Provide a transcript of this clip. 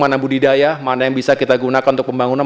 mana budidaya mana yang bisa kita gunakan untuk pembangunan